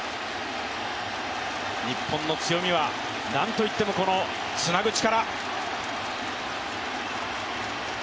日本の強みは、なんといっても、つなぐ力。